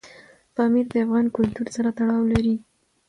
پامیر د افغان کلتور سره تړاو لري.